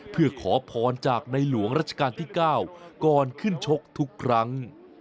เพื่อขอพรจากในหลวงรัชกาลที่๙ก่อนขึ้นชกทุกครั้ง